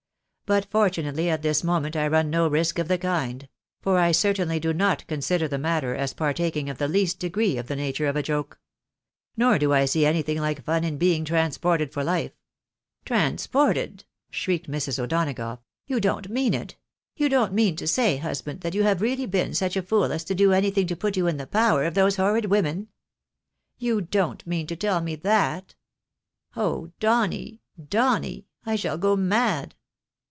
" But fortunately at this moment I run no risk of the kind ; for I certainly do not consider the matter as partaking of the least degree of the nature of a joke. Nor do I see anything like fun in being transported for life." " Transported !" shrieked Mrs. O'Donagough. " You don't mean it ?— ^you don't mean to say, husband, that you have really been such a fool as to do anything to put you in the power of those horrid women ? You don't mean to tell me iliat ? Oh, Donny ! Donny ! I shall go mad